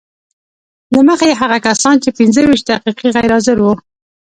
له مخې یې هغه کسان چې پنځه ویشت دقیقې غیر حاضر وو